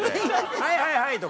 「はいはいはい」とか。